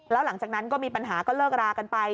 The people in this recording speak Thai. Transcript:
แล้วหลังจากนั้นก็มีปัญหาก็เลิกรากันไป